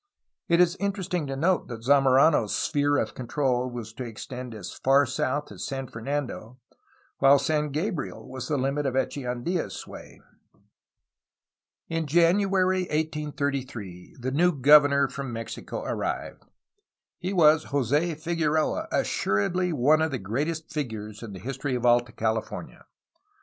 It is interesting to note that Zamorano's sphere of control was to extend as far south as San Fer nando, while San Gabriel was the limit of Echeandla^s sway. In January 1833 the new governor from Mexico arrived. He was Jos6 Figueroa, assuredly one of the greatest figures in the history of Alta California.